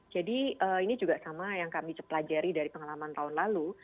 jadi ini juga sama yang kami pelajari dari pengalaman tahun lalu